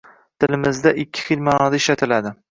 Tilimizda ikki xil maʼnoda ishlatiladi.